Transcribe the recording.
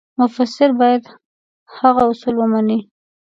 مفسر باید هغه اصول ومني.